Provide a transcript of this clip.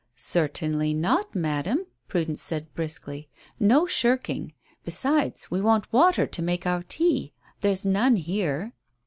"Certainly not, madam," Prudence said briskly. "No shirking; besides, we want water to make our tea. There's none here."